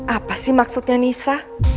apa sih maksudnya nisa